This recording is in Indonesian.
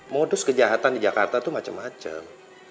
modus kejahatan di jakarta itu macem macem